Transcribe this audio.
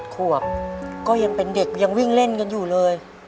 ขวบก็ยังเป็นเด็กยังวิ่งเล่นกันอยู่เลย